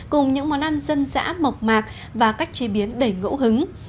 cùng những món ăn dân dã mộc mạc và cách chế biến đầy ngẫu hứng